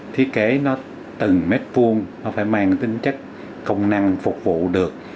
thiết kế nó từng mét vuông nó phải mang tính trách công năng phục vụ được